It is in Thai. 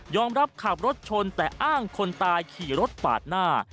รับขับรถชนแต่อ้างคนตายขี่รถปาดหน้า